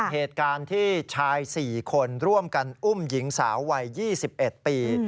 เหตุการณ์ที่ชาย๔คนร่วมกันอุ้มหญิงสาววัย๒๑ปี